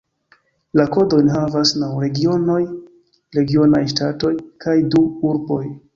La kodojn havas naŭ regionoj (regionaj ŝtatoj) kaj du urboj.